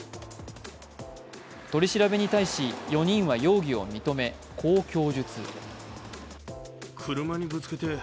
取り調べに対し４人は容疑を認め、こう供述。